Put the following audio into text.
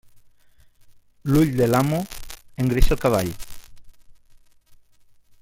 L'ull de l'amo engreixa el cavall.